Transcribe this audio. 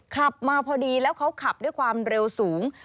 ขับมาพอดีแล้วเขาขับด้วยความเร็วสูง